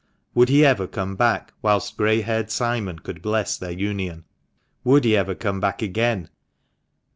Would he ever come back whilst grey haired Simon could bless their union? Would he ever come back again?